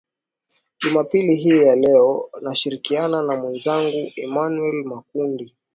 jumapili hii ya leo nashirikiana na mwezangu emanuel makundi